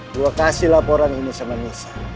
dua kasih laporan ini sama nisa